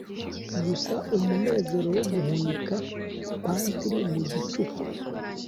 gusa umunezero wo guhunika pantry mu gicuku